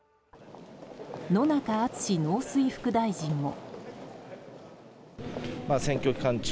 野中厚農水副大臣も。